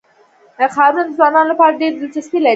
ښارونه د ځوانانو لپاره ډېره دلچسپي لري.